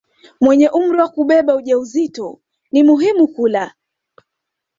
mwenye umri wa kubeba ujauzito ni muhimu kula